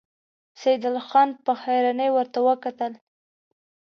سيدال خان په حيرانۍ ورته وکتل.